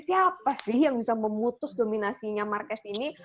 siapa sih yang bisa memutus dominasinya marquez ini